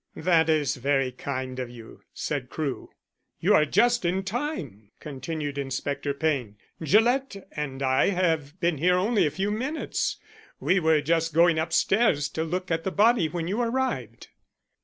"That is very kind of you," said Crewe. "You are just in time," continued Inspector Payne. "Gillett and I have been here only a few minutes. We were just going upstairs to look at the body when you arrived."